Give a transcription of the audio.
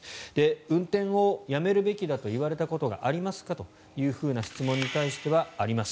運転をやめるべきだといわれたことがありますかという質問に対してはあります